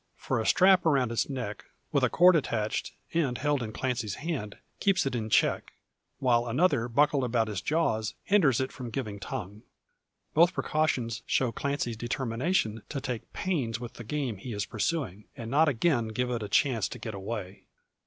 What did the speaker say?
For a strap around its neck, with a cord attached, and held in Clancy's hand, keeps it in check, while another buckled about its jaws hinders it from giving tongue. Both precautions show Clancy's determination to take pains with the game he is pursuing, and not again give it a chance to get away.